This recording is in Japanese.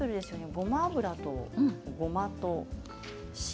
ごま油とごまとお塩。